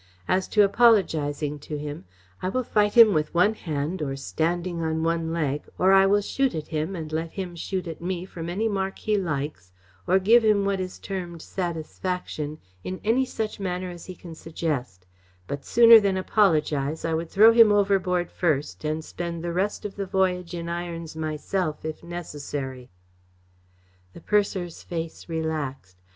As to apologising to him I will fight him with one hand or standing on one leg, or I will shoot at him and let him shoot at me from any mark he likes, or give him what is termed 'satisfaction', in any such manner as he can suggest, but sooner than apologise I would throw him overboard first and spend the rest of the voyage in irons myself if necessary." The purser's face relaxed.